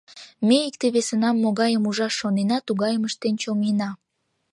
Ме икте-весынам могайым ужаш шонена, тугайым ыштен чоҥена.